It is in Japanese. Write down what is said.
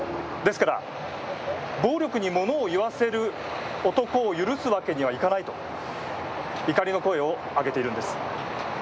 ですから暴力にものを言わせる男を許すわけにはいかないと怒りの声を上げているのです。